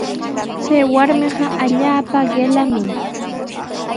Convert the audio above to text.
Chay warmiqa allaapa qillami.